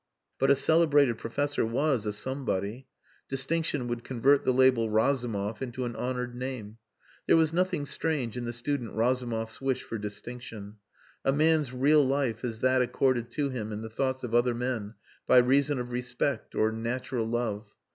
But a celebrated professor was a somebody. Distinction would convert the label Razumov into an honoured name. There was nothing strange in the student Razumov's wish for distinction. A man's real life is that accorded to him in the thoughts of other men by reason of respect or natural love.